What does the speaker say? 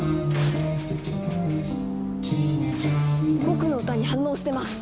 僕の歌に反応してます。